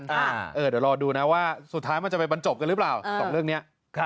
เดี๋ยวรอดูนะว่าสุดท้ายมันจะไปบรรจบกันหรือเปล่าสองเรื่องนี้